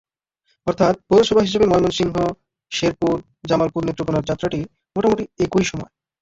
অর্থাৎ পৌরসভা হিসেবে ময়মনসিংহ, শেরপুর, জামালপুর, নেত্রকোনার যাত্রাটি মোটামুটি একই সময়।